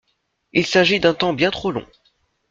Il s’agit d’un temps bien trop long.